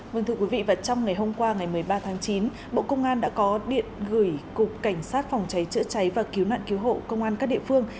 vâng thưa quý vị và trong ngày hôm qua ngày một mươi ba tháng chín bộ công an đã có điện gửi cục cảnh sát phòng cháy chữa cháy và cứu nạn cứu hộ công an các địa phương